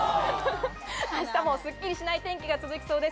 明日もすっきりしない天気が続きそうです。